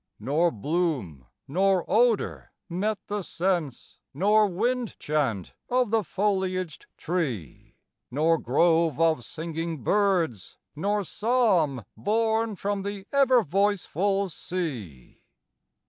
Nor bloom nor odor met the sense, Nor wind chant of the foliaged tree, Nor grove of singing birds, nor psalm Borne from the ever voiceful sea.